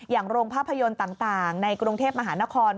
โรงภาพยนตร์ต่างในกรุงเทพมหานคร